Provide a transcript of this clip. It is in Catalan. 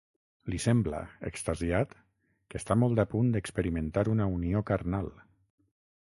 Li sembla, extasiat, que està molt a punt d'experimentar una unió carnal.